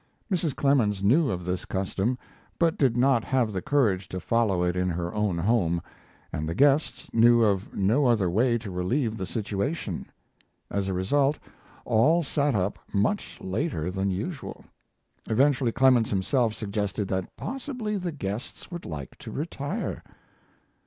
Mrs. Clemens knew of this custom, but did not have the courage to follow it in her own home, and the guests knew of no other way to relieve the situation; as a result, all sat up much later than usual. Eventually Clemens himself suggested that possibly the guests would like to retire.